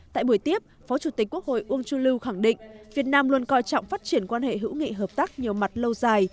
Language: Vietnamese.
tại buổi tiếp phó chủ tịch quốc hội uông chu lưu khẳng định việt nam luôn coi trọng phát triển quan hệ hữu nghị hợp tác nhiều mặt lâu dài